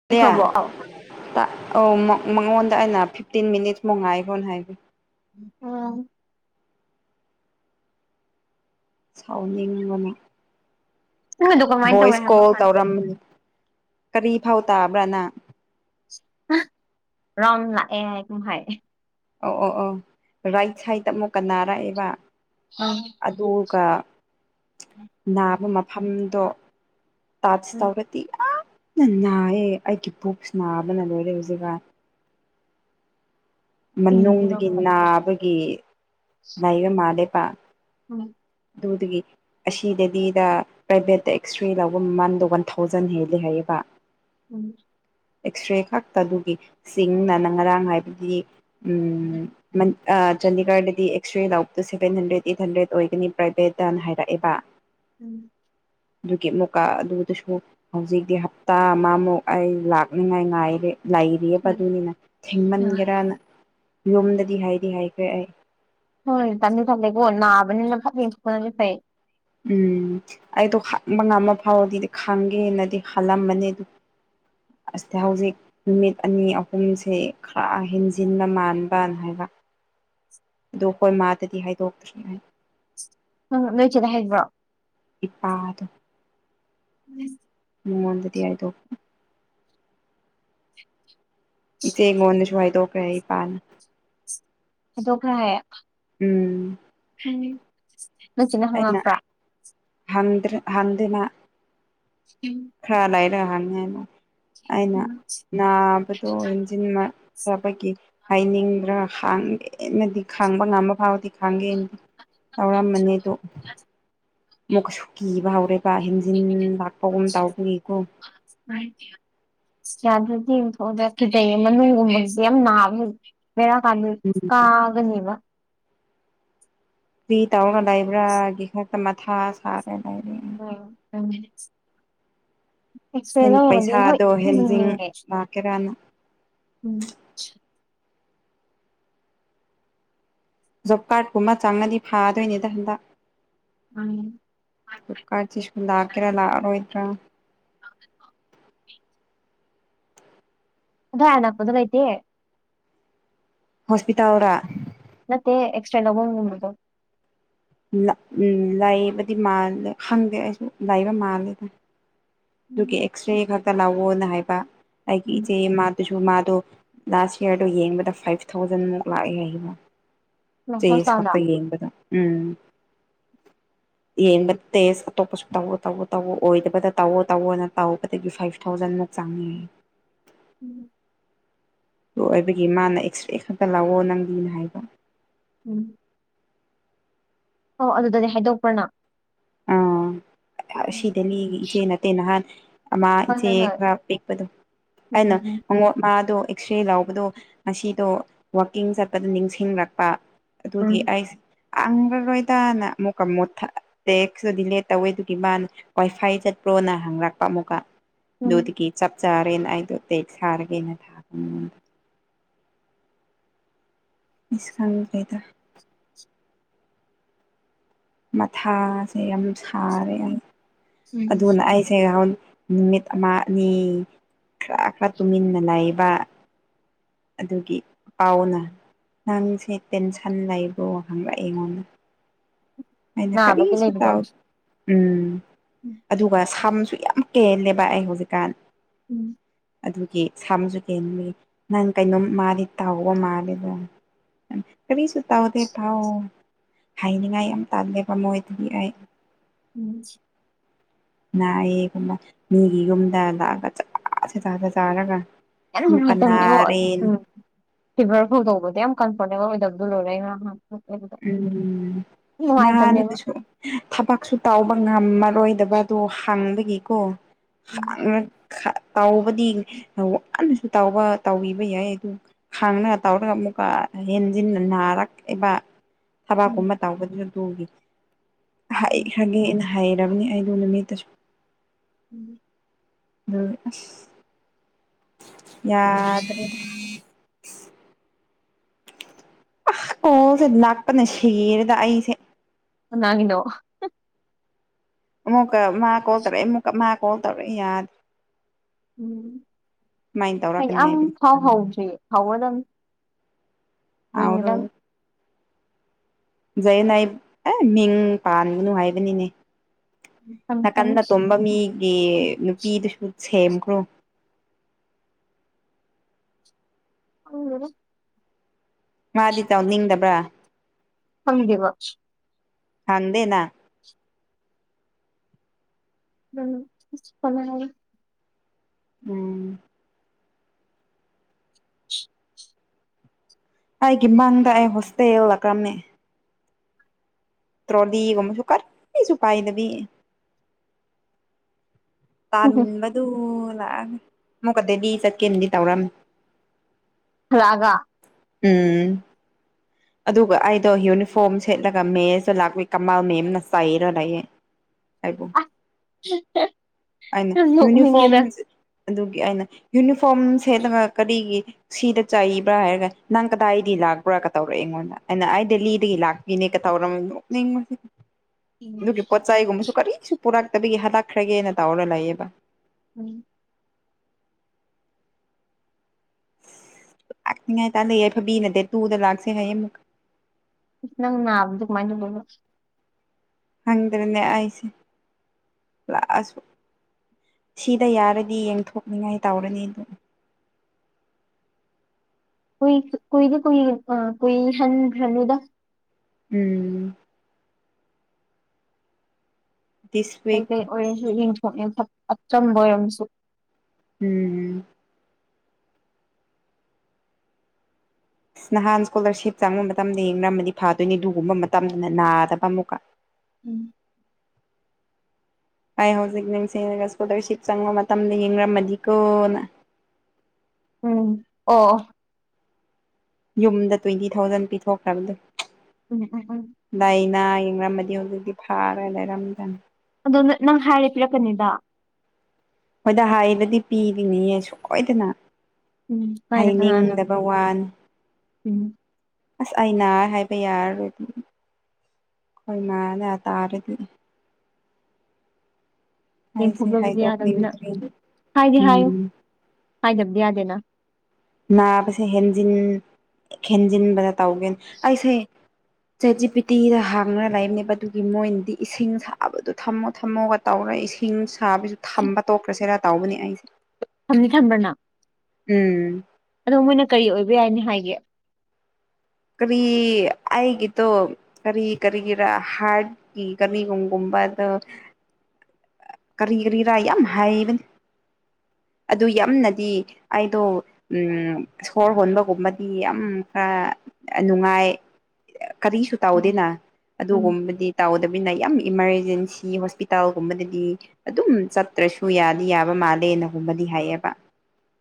[unintelligible] ꯈ꯭ꯔꯕꯣ ꯑꯧ ꯇ ꯑꯩꯅ ꯐꯤꯞꯇꯤꯟ ꯃꯤꯅꯤꯠꯁ ꯃꯨꯛ ꯉꯥꯏꯈꯣꯅ ꯍꯥꯏꯕꯅꯦ ꯑꯣ ꯁꯥꯎꯅꯤꯡꯕ ꯑꯃ ꯅꯪꯒꯤꯗꯣ ꯀꯃꯥꯏꯅ ꯇꯧꯋꯦ ꯚꯣꯏꯁ ꯍꯥꯏꯕꯅꯣ ꯀꯣꯜ ꯈꯪ ꯇꯧꯔꯝ ꯀꯔꯤ ꯐꯥꯎ ꯇꯥꯕ꯭ꯔꯅ ꯔꯥꯎꯟ ꯂꯥꯛꯑꯦ ꯍꯥꯏꯒꯨꯝ ꯍꯥꯏ ꯑꯣ ꯑꯣ ꯑꯣ ꯔꯥꯏꯠ ꯁꯥꯏꯠꯇ ꯑꯃꯨꯛꯀ ꯅꯥꯔꯛꯑꯦꯕ ꯑꯧ ꯀ ꯅꯥꯕ ꯃꯐꯝꯗꯣ ꯇꯠꯁ ꯇꯧꯔꯗꯤ ꯑꯥ ꯅ ꯅꯥꯏꯌꯦ ꯑꯩꯒꯤ ꯄꯨꯛꯁꯦ ꯅꯥꯕꯅ ꯂꯣꯏꯔꯦ ꯍꯨꯖꯤꯛꯀꯥꯟ ꯃꯅꯨꯡꯗꯒꯤ ꯅꯥꯕꯒꯤ ꯅꯩꯕ ꯃꯥꯜꯂꯦꯕ ꯑꯗꯨꯗꯒꯤ ꯑꯁꯤꯗꯗꯤꯗ ꯄ꯭ꯔꯥꯏꯚꯦꯠꯇ ꯑꯦꯛꯁꯔꯦ ꯂꯧꯕ ꯃꯃꯟꯗꯣ ꯋꯥꯟ ꯊꯥꯎꯖꯟ ꯍꯦꯜꯂꯦ ꯍꯥꯏꯌꯦꯕ ꯎꯝ ꯑꯦꯛꯁꯔꯦ ꯈꯛꯇ ꯑꯗꯨꯒꯤ ꯆꯁꯤꯡꯅꯅ ꯉꯔꯥꯡ ꯍꯥꯏꯕꯗꯤ ꯎꯝ ꯆꯥꯟꯗꯤꯒꯔꯗꯗꯤ ꯑꯦꯛꯁ ꯔꯦ ꯂꯥꯛꯕꯇꯣ ꯁꯚꯦꯟ ꯍꯟꯗ꯭ꯔꯦꯗ ꯑꯩꯠ ꯍꯟꯗ꯭ꯔꯦꯗ ꯑꯣꯏꯒꯅꯤ ꯄ꯭ꯔꯥꯏꯚꯦꯠꯇ ꯗꯟ ꯍꯥꯏꯔꯛꯑꯦꯕ ꯎꯝ ꯑꯗꯨꯒꯤ ꯑꯃꯨꯛꯀ ꯑꯗꯨꯗꯁꯨ ꯍꯧꯖꯤꯛꯇꯤ ꯍꯞꯇꯥ ꯑꯃꯃꯨꯛ ꯑꯩ ꯂꯥꯛꯅꯤꯉꯥꯏ ꯉꯥꯏꯔꯦ ꯂꯩꯔꯤꯑꯕ ꯑꯗꯨꯅꯤꯅ ꯊꯦꯡꯃꯟꯒꯦꯔꯅ ꯌꯨꯝꯝꯗꯗꯤ ꯍꯥꯏꯗꯤ ꯍꯥꯏꯈ꯭ꯔꯦ ꯑꯩ ꯍꯣꯏ ꯇꯅꯤ ꯊꯂꯦꯀꯣ ꯅꯅꯥꯕꯅꯤꯅ ꯐꯠ ꯌꯦꯡꯀꯅ ꯂꯩ ꯐꯥꯏ ꯎꯝ ꯑꯩꯗꯣ ꯍꯕ ꯉꯝꯕ ꯐꯥꯎꯔꯗꯤꯗꯤ ꯈꯪꯒꯦꯅꯗꯤ ꯍꯥꯜꯂꯝꯃꯅꯤ ꯑꯗꯨ ꯑꯁꯤꯁ ꯍꯧꯖꯤꯛ ꯅꯨꯃꯤꯠ ꯑꯅꯤ ꯑꯍꯨꯝꯁꯦ ꯈꯔ ꯍꯦꯟꯖꯤꯟꯕ ꯃꯥꯟꯕ ꯍꯥꯏꯕ ꯗꯣ ꯍꯣꯏ ꯃꯥꯗꯗꯤ ꯍꯥꯏꯗꯣꯀꯇꯔꯤ ꯍꯥꯏ ꯎꯝ ꯂꯣꯏꯁꯤꯗ ꯍꯥꯏꯕ꯭ꯔꯣ ꯏꯄꯥꯥ ꯑꯗꯨ ꯎꯝ ꯃꯉꯣꯟꯗꯗꯤ ꯍꯥꯏꯗꯣꯛ ꯏꯆꯦ ꯃꯣꯟꯅꯁꯨꯏ ꯍꯥꯏꯗꯣꯀꯔ ꯏꯄꯥꯅ ꯑꯗꯣ ꯀ ꯎꯝ ꯅꯆꯤꯠꯅ ꯍꯪꯉꯕ꯭ꯔꯥ ꯍꯥꯟꯗ꯭ꯔ ꯍꯥꯟꯗꯅꯥ ꯎꯝ ꯂꯅꯤꯅ ꯑꯩꯅ ꯅꯥꯕꯗꯣ ꯍꯦꯟꯖꯤꯟꯈꯕꯒꯤ ꯍꯥꯏꯅꯤꯡꯕ꯭ꯔꯥ ꯈꯥꯡꯦꯅꯗꯤ ꯈꯥꯡꯕ ꯉꯝꯕ ꯐꯥꯎꯕꯗꯤ ꯈꯥꯡꯒꯦꯅꯗꯤ ꯇꯧꯔꯝꯕꯅꯤꯗ [unintelligible] ꯑꯃꯨꯛꯀꯁꯨ ꯀꯤꯕ ꯍꯧꯔꯦꯕ ꯍꯦꯟꯖꯤꯟ ꯂꯥꯛꯄꯒꯨꯝ ꯇꯥꯎꯒꯤꯀꯣ ꯑꯁ ꯌꯥꯗ꯭ꯔꯗꯤꯝ ꯊꯣꯛꯗꯈꯤꯗꯩꯌꯦ ꯃꯅꯨꯡꯒꯨꯝꯕꯁꯦ ꯌꯥꯝ ꯅꯥꯕ ꯕꯦꯔꯥ ꯀꯥꯟꯗ ꯎꯝ ꯀꯒꯅꯤꯕ ꯐꯤ ꯇꯥꯎꯅ ꯂꯩꯕ꯭ꯔꯥꯒꯤ ꯈꯛꯇ ꯃꯊꯥ ꯁꯥꯔꯦ ꯂꯩꯕ꯭ꯔꯥ ꯑ ꯄꯩꯁꯥꯗꯣ ꯍꯦꯟꯖꯤꯟ ꯂꯥꯛꯀꯦꯔꯅ [unintelligible] ꯖꯣꯞ ꯀꯥꯔꯠꯀꯨꯝꯕ ꯆꯪꯉꯗꯤ ꯐꯥꯗꯣꯏꯅꯦꯗ ꯍꯟꯗꯛ ꯎꯝ ꯀꯥꯁꯤ ꯁꯨꯜ ꯂꯥꯛꯀꯦꯔꯥ ꯂꯥꯛꯑꯔꯣꯏꯗ꯭ꯔꯥ ꯑꯗꯨ ꯍꯂꯥꯛꯄꯗ ꯂꯩꯩꯇꯦ ꯍꯣꯁꯄꯤꯇꯥꯜꯗ ꯅ ꯑꯦꯛꯁꯇ꯭ꯔꯥ ꯂꯧꯕ ꯅꯗꯣ ꯎꯝ ꯂꯥꯏꯕꯗꯤ ꯃꯥꯜꯂꯦ ꯈꯪꯗꯦ ꯑꯩꯁꯨ ꯂꯥꯏꯕ ꯃꯥꯜꯂꯦ ꯑꯗꯨꯝ ꯑꯗꯨꯒꯤ ꯑꯦꯛꯁꯔꯦ ꯈꯛꯇ ꯂꯥꯛꯑꯣꯅ ꯍꯥꯏꯕ ꯑꯩꯒꯤ ꯏꯆꯦ ꯏꯃ ꯑꯗꯨꯁꯨ ꯃꯥꯗꯣ ꯂꯥꯁ ꯌꯌꯥꯔꯗꯣ ꯌꯦꯡꯕꯗ ꯐꯥꯏꯚ ꯊꯥꯎꯖꯟꯃꯨꯛ ꯂꯥꯛꯑꯦ ꯍꯥꯏꯅ ꯅꯁꯥ ꯆꯁ ꯆꯥꯗ ꯈꯇ ꯀꯕꯗ ꯎꯝ ꯌꯦꯡꯕ ꯇꯦꯁ ꯑꯇꯣꯞꯄꯁꯨ ꯇꯧ ꯇꯧꯎ ꯇꯧ ꯑꯣꯏꯗꯕꯗ ꯇꯧꯑꯣ ꯇꯧꯑꯣꯅ ꯇꯥꯎꯕꯗꯒꯤ ꯐꯥꯏꯚ ꯊꯥꯎꯖꯟꯃꯨꯛ ꯆꯪꯅꯤꯡꯑꯌꯦ ꯎꯝ ꯑꯣꯏꯕꯒꯤ ꯃꯥꯅ ꯑꯦꯛꯁꯔꯦ ꯈꯛꯇ ꯂꯥꯛꯑꯣ ꯅꯪꯒꯤꯅ ꯍꯥꯏꯕ ꯎꯝ ꯑꯣ ꯑꯗꯨꯗꯗꯤ ꯍꯥꯏꯗꯣꯛꯄ꯭ꯔꯅ ꯎ ꯑꯁꯤꯗꯅꯤ ꯏꯆꯦ ꯅꯠꯇꯦ ꯅꯍꯥꯟ ꯑꯃꯥ ꯍꯣꯏ ꯏꯆꯦ ꯍꯣꯏ ꯍꯣꯏ ꯈꯔ ꯄꯤꯛꯄꯗꯣ ꯑꯩꯅ ꯎꯝ ꯍꯉꯣꯠ ꯃꯥꯗꯣ ꯑꯦꯛꯁꯔꯦ ꯂꯥꯎꯕꯗꯣ ꯉꯁꯤꯗꯣ ꯋꯥꯋꯥꯛꯀꯤꯡ ꯆꯠꯄꯗ ꯅꯤꯡꯁꯤꯡꯂꯛꯄ ꯑꯗꯨꯗꯤ ꯎꯝ ꯑꯩꯁꯦ ꯍꯪꯉꯔꯣꯏꯗꯅ ꯑꯃꯨꯛꯀ ꯃꯨꯠꯊ ꯇꯦꯛꯁꯗꯤꯦ ꯇꯧꯋꯦ ꯑꯗꯨꯒꯤ ꯃꯥꯅ ꯋꯥꯏꯐꯥꯏ ꯆꯠꯄ꯭ꯔꯣꯅ ꯍꯪꯉꯛꯄ ꯑꯃꯨꯛꯀ ꯎꯝ ꯑꯗꯨꯗꯨꯒꯤ ꯆꯞ ꯆꯥꯔꯦꯅ ꯑꯩꯗꯣ ꯇꯦꯛ ꯁꯥꯔꯒꯦꯅ ꯊꯥꯕꯗ ꯏꯀꯥꯒꯗ ꯃꯊꯥꯁꯦ ꯌꯥꯝ ꯁꯥꯔꯦ ꯑꯩ ꯎꯝ ꯑꯗꯨꯅ ꯑꯩꯁꯦ ꯅꯨꯃꯤꯠ ꯑꯃ ꯑꯅꯤ ꯈꯔ ꯈꯔ ꯇꯨꯃꯤꯟꯅ ꯂꯩꯕ ꯑꯗꯨꯒꯤ ꯄꯥꯎꯅ ꯅꯪꯁꯦ ꯇꯦꯟꯁꯟ ꯂꯩꯕ ꯋꯥꯈꯪ ꯂꯥꯛ ꯑꯩꯉꯣꯟꯗ ꯑꯩꯅ ꯅꯥꯕꯒꯤ ꯀꯔꯤꯁꯨ ꯂꯩꯕꯗꯣ ꯇꯥꯎ ꯎꯝ ꯎꯝ ꯑꯗꯨꯒ ꯁꯝꯁꯨ ꯌꯥꯝ ꯀꯦꯜꯂꯦꯕ ꯑꯩ ꯍꯧꯖꯤꯛꯀꯥꯟ ꯎꯝ ꯑꯗꯨꯒꯤ ꯁꯥ ꯑꯃꯁꯁꯨ ꯀꯦꯒꯤ ꯅꯪ ꯀꯩꯅꯣꯝ ꯃꯥꯔꯤ ꯇꯥꯎꯒ ꯃꯥꯔꯤꯗꯣ ꯀꯔꯤꯁꯨ ꯇꯥꯎꯗꯦ ꯄꯥꯎ ꯍꯥꯏꯅꯤꯡꯉꯥꯏ ꯌꯥꯝ ꯇꯥꯗꯦꯕ ꯃꯣꯏꯗꯗꯤ ꯑꯩ ꯎꯝ ꯅꯥꯑꯌꯦꯒꯨꯝꯕ ꯃꯤꯒꯤꯒꯨꯝꯗ ꯂꯥꯛꯑꯒ ꯆꯦ ꯆ ꯆꯥꯔꯒ ꯌꯥꯝ ꯑꯃꯨꯛꯀ ꯅꯨꯡꯉꯥꯏꯇꯕꯅꯤꯉꯣ ꯅꯥꯔꯦ ꯎꯝ ꯐꯤꯚꯔ ꯐꯧꯗꯧꯕꯗꯤ ꯌꯥꯝ ꯀ ꯐꯅꯦꯃꯤ ꯗꯝꯕꯨꯨ ꯂꯣꯔꯦ ꯍꯥ ꯎꯝ ꯅꯨꯡꯉꯥꯏꯇꯕꯅꯦꯕ ꯅꯍꯥꯟꯁꯨ ꯊꯕꯛꯁꯨ ꯇꯥꯎꯕ ꯉꯝꯃꯔꯣꯏꯗꯕ ꯑꯗꯨ ꯍꯥꯡꯕꯒꯤ ꯀꯣ ꯎꯝ ꯇꯥꯎꯕꯗꯤ ꯋꯥꯅꯁꯨ ꯇꯥꯎꯕ ꯇꯧꯕꯤꯕ ꯌꯥꯏ ꯑꯗꯨ ꯈꯥꯡꯅꯒ ꯇꯥꯎꯔꯒ ꯑꯃꯨꯛꯀ ꯍꯦꯟꯖꯤꯟꯅ ꯅꯥꯔꯛꯑꯕ ꯎꯝ ꯊꯕꯥꯛꯀꯨꯝꯕ ꯇꯥꯎꯕꯗꯨꯁꯨ ꯇꯨꯈꯤ ꯍꯥꯏ ꯈ ꯍꯩꯔꯕꯅꯤ ꯑꯩꯗ ꯅꯨꯃꯤꯠꯇꯁꯨ ꯎꯝ ꯑꯝ ꯑ ꯌꯥꯗ ꯑ ꯑꯣꯁꯦ ꯅꯥꯛꯄꯅ ꯁꯤꯔꯦꯗ ꯑꯩꯁꯦ ꯥꯡ ꯉꯅꯣ ꯑꯃꯨꯛꯀ ꯃꯥ ꯀꯣꯜ ꯇꯧꯔꯛꯑꯦ ꯑꯃꯨꯛꯀ ꯃꯥ ꯀꯣꯜ ꯇꯧꯔꯛꯦ ꯌꯥꯗꯦ ꯎꯝ ꯍꯥꯏꯗꯤ ꯇꯧꯔꯛꯀꯅꯤ ꯌꯥꯝ ꯍꯥꯏꯕꯗꯤ ꯐꯥꯎ ꯈꯪ ꯍꯥꯎꯗ꯭ꯔꯤ ꯍꯥꯎꯋ ꯅꯪ ꯃꯤꯗꯝ ꯖꯩ ꯅꯥꯏ ꯑꯦ ꯃꯤꯡ ꯄꯥꯟꯒꯅꯨ ꯍꯥꯏꯕꯅꯤꯅꯦ ꯅ ꯀꯗ ꯀꯟꯐꯔꯦꯟꯁ ꯇꯣꯝꯕ ꯃꯤ ꯅꯨꯄꯤꯗꯨꯁꯨ ꯁꯦꯝꯈ꯭ꯔꯣ ꯎꯝ ꯃꯥꯗꯤ ꯆꯥꯎꯅꯤꯡꯗꯕ꯭ꯔꯥ ꯍꯪꯒꯤꯦꯕ ꯍꯪꯗꯅ ꯎꯝ ꯐꯉꯦ ꯎꯝ ꯑꯩꯒꯤ ꯃꯥꯡꯗ ꯑꯩ ꯍꯣꯁꯇꯦꯜꯂꯛꯀ꯭ꯔꯝꯅꯦ ꯇ꯭ꯔꯣꯗꯤꯒꯨꯝꯕꯁꯨ ꯀꯔ ꯀꯁꯨ ꯀꯥꯏꯗꯕꯤ ꯇꯥꯟꯕꯥꯟꯕꯗꯨ ꯂꯥꯛꯑ ꯑꯃꯨꯛꯀꯗꯗꯤ ꯆꯠꯀꯦꯅꯗꯤ ꯇꯧꯔꯝꯃꯤ ꯔꯥꯒ ꯎꯝ ꯑꯗꯨꯒ ꯑꯩꯗꯣ ꯌꯨꯅꯤꯐꯣꯔꯝ ꯁꯦꯠꯂꯒ ꯃꯦꯁꯨ ꯂꯥꯛꯎꯏ ꯀꯃꯜ ꯃꯦꯝꯅ ꯆꯥꯏꯔ ꯂꯩꯌꯦꯦ ꯍꯥꯏꯕ ꯍꯥꯏꯅ ꯑꯁ ꯌꯨꯅꯤꯐꯣꯔꯝ ꯅꯣꯛꯅꯤꯡꯉꯦꯗ ꯑꯗꯨꯒꯤ ꯑꯩꯅ ꯌꯨꯅꯤꯐꯣꯔꯝ ꯁꯦꯠꯂꯒ ꯀꯔꯤꯒꯤ ꯁꯤꯗ ꯆꯥꯏꯕ꯭ꯔꯥ ꯍꯥꯏꯔꯒ ꯅꯪ ꯀꯗꯥꯏꯗꯒꯤ ꯂꯥꯛꯄ꯭ꯔꯥ ꯀ ꯇꯧꯔꯛꯑ ꯑꯩꯉꯣꯟꯗ ꯑꯩꯅ ꯑꯩ ꯗꯦꯜꯂꯤꯗꯒꯤ ꯂꯥꯛꯄꯤꯅꯦ ꯇꯧꯔ ꯅ ꯑꯗꯨꯒꯤ ꯎꯝ ꯄꯣꯠꯆꯥꯏꯒꯨꯝꯕꯁꯨ ꯀꯔꯤꯁꯨ ꯄꯨꯔꯛꯇꯕꯤꯒꯤ ꯍꯥꯟꯗꯛꯈ꯭ꯔꯒꯦꯅ ꯇꯧꯔꯒ ꯂꯩꯑꯕ ꯎꯝ ꯂꯥꯛꯅꯤꯡꯉꯥꯏꯇꯥ ꯂꯩ ꯌꯥꯏ ꯐꯕꯤꯅꯗꯦ ꯇꯨꯗ ꯂꯥꯛꯁꯦ ꯍꯥꯏꯌꯦꯡ ꯑꯃꯨꯛ ꯏ ꯅꯪ ꯅꯥꯕꯗꯨ ꯃꯀꯃꯥꯏ ꯇꯧꯗꫭꯏꯕ ꯍꯪꯗ꯭ꯔꯦꯅꯦ ꯑꯩꯁꯦ ꯂꯥꯛꯑꯁꯨ ꯁꯤꯗ ꯌꯥꯔꯗꯤ ꯌꯦꯡꯊꯣꯛꯅꯤꯉꯥꯏ ꯇꯧꯔꯅꯤ ꯑꯗꯨ ꯑꯩꯣꯏ ꯀꯣꯏꯗꯤ ꯀꯣꯏ ꯑꯣꯏ ꯍ ꯍꯗ ꯎꯝ ꯗꯤꯁ ꯋꯤꯛ ꯀꯩꯀꯩ ꯑꯣꯏꯔꯁꯨ ꯌꯦꯟꯊꯣꯛ ꯌꯦ ꯑꯆꯝꯕ ꯑꯣꯏꯔꯝꯁꯨ ꯎꯝꯝ ꯑꯁ ꯅꯍꯥꯟ ꯏꯁꯀꯣꯂꯔꯁꯤꯞ ꯆꯪꯕ ꯃꯇꯝꯗ ꯌꯦꯡꯅꯔꯝꯃꯗꯤ ꯐꯥꯗꯣꯏꯅꯤ ꯑꯗꯨꯒꯒꯨꯝꯕ ꯃꯇꯝꯗꯅ ꯅꯥꯗꯕ ꯑꯃꯨꯛꯀ [inaudible] ꯎꯝ ꯍꯥꯏꯥꯏ ꯍꯧꯖꯤꯛ ꯅꯤꯡꯁꯤꯒꯨꯗ ꯁꯤꯞ ꯆꯪꯉꯣ ꯃꯇꯝꯗ ꯌꯦꯡꯃꯗꯤꯀꯣꯅ [inaudible] ꯎꯝ ꯑꯣ ꯌꯨꯝꯗ ꯇ꯭ꯋꯦꯟꯇꯤ ꯊꯥꯎꯖꯟ ꯄꯤꯊꯣꯛꯈ꯭ꯔꯕꯗꯨ ꯎꯝ ꯎꯝ ꯎꯝ ꯂꯥꯏꯅꯥ ꯈꯪꯔꯝꯃꯗꯤ ꯍꯧꯖꯤꯛꯇꯤ ꯐꯥꯔ ꯂꯩꯔꯝꯗꯅꯤ ꯑꯗꯣ ꯅꯪ ꯍꯥꯏꯔꯦ ꯄꯤꯔꯛꯀꯅꯤꯗ ꯍꯣꯏꯗ ꯍꯥꯏꯗꯗꯤ ꯄꯤꯔꯤꯅꯤꯌꯦ ꯁꯣꯏꯗꯅ ꯎꯝ ꯀꯥꯏꯅ ꯀꯅꯥꯅ ꯍꯩꯅꯤꯡꯗꯕ ꯋꯥꯟ ꯎꯝ ꯑꯁ ꯑꯩꯅ ꯍꯥꯏꯕ ꯌꯥꯔꯔꯗꯤ ꯑꯩꯣꯏ ꯃꯥꯅꯦ ꯇꯥꯔꯗꯤ ꯑꯩꯁꯦ ꯌꯦꯡꯊꯣꯛꯇꯕꯗꯤ ꯌꯥꯗꯅꯤꯅ ꯍꯥꯏꯗꯣꯛꯅꯤꯡꯗ꯭ꯔꯦ ꯍꯥꯏꯗꯤ ꯍꯥꯏꯌꯨ ꯎꯝ ꯍꯥꯏꯗꯕꯗꯤ ꯌꯥꯗꯦꯅ ꯅꯥꯕꯁꯦ ꯍꯦꯟꯖꯤꯟ ꯍꯦꯟꯖꯤꯟꯕꯗ ꯇꯧꯒꯦ ꯑꯩꯁꯦ ꯆꯦꯆꯤ ꯄꯤꯇꯤꯗ ꯍꯥꯡꯅꯅ ꯂꯩꯔꯝꯅꯦꯕ ꯑꯗꯨꯒꯤ ꯃꯣꯏꯅꯗꯤ ꯏꯁꯤꯡ ꯊꯛꯕꯗꯣ ꯊꯝꯃꯣ ꯊꯝꯃꯣꯒ ꯇꯧꯔꯒ ꯏꯁꯤꯡ ꯁꯥꯕꯁꯨ ꯊꯝꯕ ꯇꯣꯛꯈ꯭ꯔꯁꯤꯦꯔ ꯇꯧꯕꯅꯦ ꯑꯩꯁꯦ ꯊꯝꯅꯤ ꯊꯝꯕ꯭ꯔꯅ ꯎꯝ ꯑꯗꯣ ꯃꯣꯏꯅ ꯀꯔꯤ ꯑꯣꯏꯕ ꯌꯥꯏꯅꯤ ꯍꯥꯏꯒꯦ ꯀꯔꯤ ꯑꯩꯒꯤꯇꯣ ꯀꯔꯤ ꯀꯔꯤꯒꯤꯔ ꯍꯥꯔꯠꯀꯤ ꯀꯔꯤꯒꯨꯝꯒꯨꯝꯕ ꯕꯗꫭ ꯀꯔꯤ ꯀꯔꯤꯔ ꯌꯥꯝ ꯍꯥꯏꯕꯅ ꯑꯗꯨ ꯌꯥꯝꯅꯗꯤ ꯑꯩꯗꯣ ꯁꯣꯔ ꯍꯣꯟꯕꯒꯨꯝꯕꯗꯤ ꯌꯥꯝ ꯈꯔ ꯅꯨꯡꯉꯥꯏ ꯀꯔꯤꯁꯨ ꯎꯝ ꯇꯧꯗꯦꯅ ꯎꯝ ꯑꯗꯨꯒꯨꯝꯕꯗꯤ ꯇꯧꯗꯕꯅꯤꯅ ꯌꯥꯝ ꯏꯃꯥꯔꯖꯦꯟꯁꯤ ꯍꯣꯁꯄꯤꯇꯥꯜ ꯒꯨꯝꯕꯗꯗꯤ ꯑꯗꯨꯝ ꯆꯠꯇ꯭ꯔꯁꯨ ꯌꯥꯗꯤ ꯌꯥꯕ ꯃꯥꯜꯂꯦꯅꯒꯨꯝꯕꯗꯤ ꯍꯥꯏꯌꯦꯦꯕ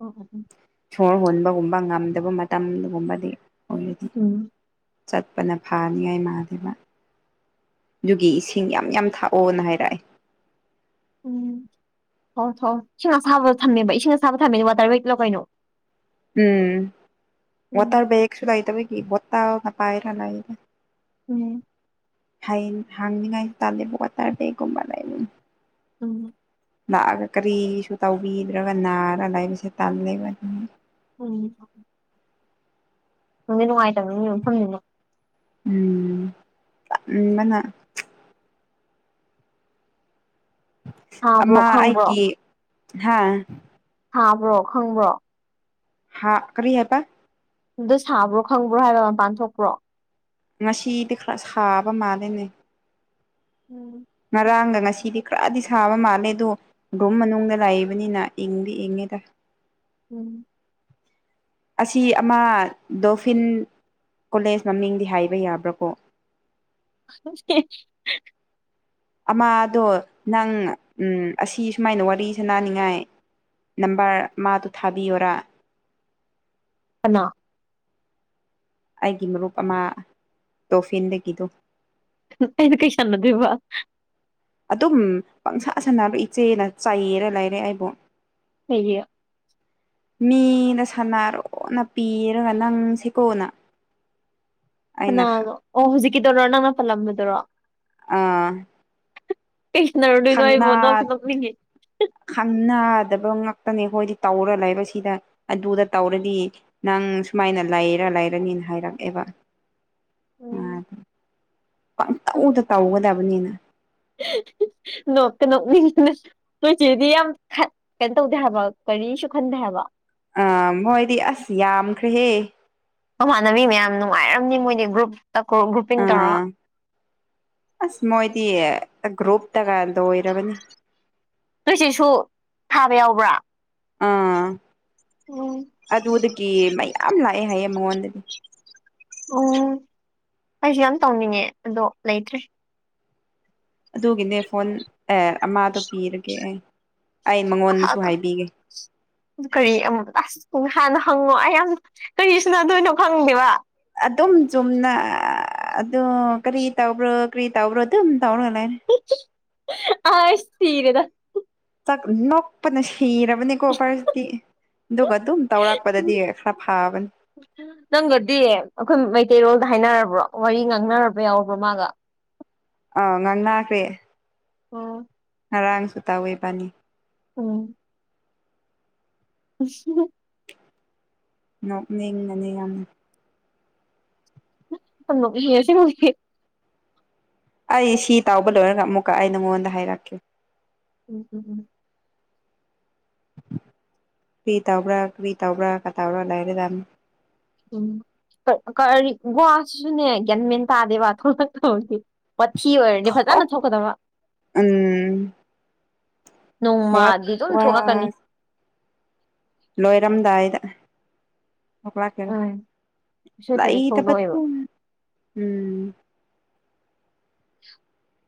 ꯎꯝ ꯎꯝ ꯁꯣꯔ ꯍꯣꯟꯕꯒꯨꯝꯕ ꯉꯝꯗꯕ ꯃꯇꯝꯒꯨꯝꯕꯗꯤ ꯑꯣꯏꯔꯗꯤ ꯎꯝ ꯆꯠꯄꯅ ꯐꯥꯅꯤꯡꯉꯥꯏ ꯃꯥꯥꯟꯗꯕ ꯑꯗꯨꯒꯤ ꯏꯁꯤꯡ ꯌꯥꯝ ꯌꯥꯝ ꯊꯥꯛꯑꯣꯅ ꯍꯥꯏꯔꯛꯑꯦ ꯍꯣ ꯊꯣ ꯏꯁꯤꯡ ꯑꯁꯥꯕꯗꯣ ꯊꯝꯃꯦꯕ ꯏꯁꯤꯡ ꯑꯁꯥꯕ ꯊꯝꯃꯦꯅꯦ ꯋꯥꯇꯔ ꯋꯦꯂꯣ ꯀꯩꯅꯣ ꯎꯝ ꯎꯝ ꯋꯥꯇꯔ ꯕꯦꯒꯁꯨ ꯂꯩꯇꯕꯒꯤ ꯕꫭꯇꯜꯅ ꯄꯥꯏꯔ ꯂꯩꯔꯦ ꯎꯝ ꯍ ꯍꯥꯡꯅꯤꯉ ꯇꯦꯕꯣꯛ ꯀ ꯇꯔ ꯩꯒꯨꯝꯝꯕꯔꯥꯏꯅꯨ ꯎꯝ ꯂꯥꯛꯑꯒ ꯀꯔꯤꯁꯨ ꯇꯧꯕꯤꯗ꯭ꯔꯒ ꯅꯥꯔꯒ ꯂꯩꯕꯁꯦ ꯇꯜꯂꯦꯕ ꯑꯗꯨꯅꯤ ꯎꯝ ꯅꯪꯗꯤ ꯅꯨꯡꯉꯥꯏꯇꯕ ꯅ ꯌꯐꯝꯅꯤꯅ ꯎꯝ ꯎꯝ ꯃꯅꯥ ꯁꯥꯕ꯭ꯔꯣ ꯑꯃ ꯑꯩ ꯈꯪꯕ꯭ꯔꯣ ꯀ ꯍꯥꯥ ꯊꯥꯕ꯭ꯔꯣ ꯈꯪꯕ꯭ꯔꯣ ꯍꯥꯥ ꯀꯔꯤ ꯍꯥꯏꯕ ꯑꯝꯇ ꯁꯥꯕ꯭ꯔꯣ ꯈꯪꯕ꯭ꯔꯣ ꯍꯥꯏꯕ ꯃꯄꯥꯟ ꯊꯣꯛꯄ꯭ꯔꯣ ꯉꯁꯤꯗꯤ ꯈꯔ ꯁꯥꯕ ꯃꯥꯜꯂꯤꯅꯦ ꯎꯝ ꯉꯥꯔꯥꯡꯒ ꯉꯁꯤꯗꯤ ꯈꯔꯗꯤ ꯁꯥꯕ ꯃꯥꯜꯂꯦ ꯑꯗꯣ ꯔꯨꯝ ꯃꯅꯨꯡꯗ ꯂꯥꯛꯏꯕꯅꯤꯅ ꯏꯪꯗꯤ ꯏꯪꯉꯤꯗ ꯎꯝ ꯑꯁꯤ ꯑꯃ ꯗꯣꯐꯤꯟ ꯀꯣꯂꯦꯖ ꯃꯃꯤꯡꯗꯤ ꯍꯥꯏꯕ ꯌꯥꯕ꯭ꯔꯥꯀꯣ [unintelligible] ꯑꯃꯥꯗꯣ ꯅꯪ ꯑꯁꯤ ꯁꯨꯃꯥꯏꯅ ꯋꯥꯔꯤ ꯁꯅꯅꯤꯡꯉꯥꯏ ꯅꯝꯕꯔ ꯃꯥꯗꯨ ꯊꯥꯕꯤꯌꯔꯥ ꯑꯅꯥ ꯑꯩꯒꯤ ꯃꯔꯨꯞ ꯑꯃ ꯇꯣꯐꯤꯟꯗꯒꯤꯗꯨ ꯑꯩꯗꯤ ꯀꯩꯁꯥꯟꯅꯗꯕ ꯑꯗꯨꯝ ꯄꯪꯁꯥ ꯁꯥꯟꯅꯕ ꯏꯆꯦꯅ ꯆꯥꯏꯌꯦꯅ ꯂꯩꯔꯦ ꯑꯩꯕꯨ [unintelligible] ꯃꯤꯗ ꯁꯅꯥꯔꯣꯅ ꯄꯤꯔꯒ ꯅꯪꯁꯦꯀꯣꯅ ꯑꯩꯅ ꯍ ꯀꯅꯥꯅꯣ ꯑꯣ ꯍꯧꯖꯤꯛꯀꯤꯗꯔꯣ ꯅꯪꯅ ꯄꯜꯂꯝꯕꯗꯨꯔꯣ ꯑꯥ ꯀꯩꯁꯅꯥꯔꯨꯗꯣꯏ ꯅꯣ ꯈꯪꯅꯥ ꯑꯩꯕꯣ ꯅꯣꯛꯇꯤ ꯅꯣꯛꯅꯤꯡꯉ ꯈꯪꯅꯗꯕ ꯉꯥꯛꯇꯅꯦ ꯑꯩꯈꯣꯏꯗꯤ ꯇꯧꯔ ꯂꯩꯕ ꯁꯤꯗ ꯑꯗꯨꯗ ꯇꯧꯔꯗꯤ ꯅꯪ ꯁꯨꯃꯥꯏꯅ ꯂꯩꯔ ꯂꯩꯔꯅꯤꯅ ꯍꯥꯏꯔꯛꯑꯦꯕ ꯎꯝ ꯄꯪꯇꯧꯗ ꯇꯧꯒꯗꯕꯅꯤꯅ ꯅꯣꯛ ꯅꯣꯛꯅꯤꯡ ꯅꯣꯏ ꯆꯦꯗꯤ ꯌꯥꯝ ꯈꯠ ꯀꯩꯅꯣ ꯇꯧꯗꯦ ꯍꯥꯏꯕ ꯀꯔꯤꯁꯨ ꯈꯟꯗꯦ ꯍꯥꯏꯕ ꯑ ꯃꯣꯏꯗꯤ ꯑꯁ ꯌꯥꯝꯈ꯭ꯔꯦꯍꯦ ꯃꯃꯥꯟꯅꯕꯤ ꯃꯌꯥꯝ ꯅꯨꯡꯉꯥꯏꯔꯝꯅꯤ ꯃꯣꯏꯗꯤ ꯒ꯭ꯔꯨꯞ ꯑꯥ ꯑꯁ ꯃꯗꯤ ꯒ꯭ꯔꯨꯨꯞꯇ ꯀꯗ ꯑꯣꯏꯔꯔꯕꯅꯤ ꯅꯣꯏ ꯁꯤꯁꯨ ꯊꯥꯕ ꯌꯥꯎꯕ꯭ꯔꯥ ꯑꯥ ꯎꯝ ꯑꯗꯨꯗꯒꯤ ꯃꯌꯥꯝ ꯂꯥꯛꯑꯦ ꯍꯥꯏꯌꯦ ꯃꯉꯣꯟꯗꯗꯤ ꯎꯝ ꯑꯩꯁꯨ ꯌꯥꯝ ꯇꯧꯅꯤꯡꯉꯦ ꯑꯗꯣ ꯂꯩꯇ꯭ꯔꯦ ꯑꯗꯨꯒꯤꯅꯦ ꯐꯣꯟ ꯑꯦ ꯑꯃꯗꯣ ꯄꯤꯔꯒꯦ ꯑꯦ ꯍ ꯀꯔꯤ ꯑꯃ ꯎ ꯍꯥꯟꯅ ꯍꯪꯉꯣ ꯑꯩ ꯌꯥꯝ ꯀꯔꯤꯁꯤꯅꯗꯣꯏꯅꯣ ꯈꯪꯗꯦꯕ ꯑꯗꯨꯝ ꯆꯨꯝꯅ ꯑꯗꯨ ꯀꯔꯤ ꯇꯧꯕ꯭ꯔꯣ ꯀꯔꯤ ꯇꯧꯕ꯭ꯔꯣ ꯑꯗꯨꯝ ꯇꯧꯔꯅꯦ ꯑꯥ ꯁꯤꯔꯦꯗ ꯅꯣꯛꯄꯅ ꯁꯤꯔꯕꯅꯦꯀꯣ ꯐꯔꯁꯗꯤ ꯑꯗꯨꯒ ꯑꯗꯨꯝ ꯇꯧꯔꯛꯄꯗꯗꯤ ꯈꯔ ꯐꯕꯅꯤ ꯒꯗꯤ ꯑꯩꯈꯣꯏ ꯃꯩꯇꯩꯔꯣꯜꯒ ꯍꯥꯏꯅꯔꯕ꯭ꯔꯣ ꯋꯥꯔꯤ ꯉꯥꯡꯅꯔꯕ ꯌꯥꯎꯔꯕ꯭ꯔꯣ ꯃꯥꯒ ꯑꯥ ꯉꯥꯡ ꯂꯥꯛꯈ꯭ꯔꯦ ꯑꯣ ꯉꯔꯥꯡꯁꯨ ꯇꯥꯎꯋꯏ ꯄꯅꯤ ꯎꯝ ꯑꯁ ꯅꯣꯛ ꯅꯤꯟꯒꯅꯤ ꯌꯥꯝ ꯃꯤꯁꯤ ꯉꯦ [unintelligible] ꯑꯩ ꯁꯤ ꯇꯥꯎꯕ ꯂꯣꯏꯔꯒ ꯑꯃꯨꯛꯀ ꯑꯩ ꯅꯉꯣꯟꯗ ꯍꯥꯏꯔꯛꯀꯦ ꯎ ꯎꯝ ꯎꯝ ꯀ꯭ꯔꯤ ꯇꯧꯕ꯭ꯔꯥ ꯀ꯭ꯔꯤ ꯇꯧꯕ꯭ꯔꯥ ꯀꯇꯧꯔ ꯂꯩꯔꯗꯝ ꯎꯝ ꯀꯔꯤ ꯒꯨꯍꯥꯁꯤꯁꯨꯅꯦ ꯒꯌꯥꯟꯃꯦꯟ ꯇꯥꯗꯦꯕꯊꯣꯛ ꯇꯧꯁꯤꯦ ꯄꯊꯤ ꯑꯣꯏꯔꯅꯤ ꯐꯖꯅ ꯑꯣꯛ ꯊꯣꯛꯀꯗꯕ ꯎꯝ ꯋꯥ ꯅꯣꯡꯃꯗꯤ ꯑꯗꯨꯝ ꯋꯥ ꯊꯣꯛꯂꯛꯀꯅꯤ ꯂꯣꯏꯔꯝꯗꯥꯏꯗ ꯑꯣ ꯀꯦꯔꯣ ꯎꯝ ꯁꯣꯏꯗ꯭ꯔꯗꯤ ꯊꯣꯛꯂꯛꯑꯣꯏꯕ [unintelligible] ꯎꯝ [inaudible]